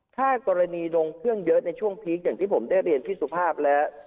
ถ้ากรณีลงเครื่องเยอะในช่วงพีคอย่างที่ผมได้เรียนพี่สุภาพแล้ว